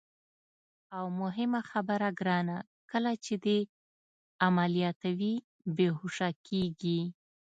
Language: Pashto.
او مهمه خبره ګرانه، کله چې دې عملیاتوي، بېهوښه کېږي.